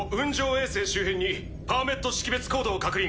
衛星周辺にパーメット識別コードを確認。